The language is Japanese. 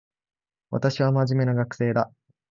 私は真面目な学生だ